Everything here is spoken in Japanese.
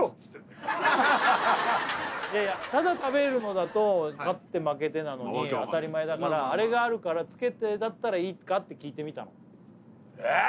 いやいやただ食べるのだと勝って負けてなのに当たり前だからアレがあるからつけてだったらいいかって聞いてみたのえっ！？